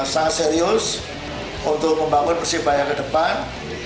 sangat serius untuk membangun persebaya ke depan